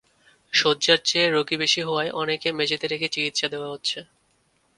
শয্যার চেয়ে রোগী বেশি হওয়ায় অনেককে মেঝেতে রেখে চিকিৎসা দেওয়া হচ্ছে।